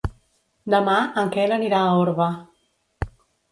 Demà en Quer anirà a Orba.